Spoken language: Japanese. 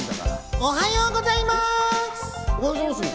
おはようございます！